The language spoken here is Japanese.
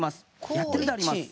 やってるであります。